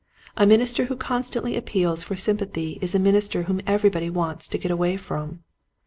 A minister who constantly appeals for sym pathy is a minister whom everybody wants to get away from.